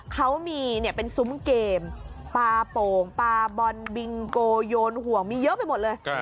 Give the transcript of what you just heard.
เขามีเป็นซุ้มเกมปลาโป่งปลาบอลบิงโกโยนห่วงมีเยอะไปหมดเลย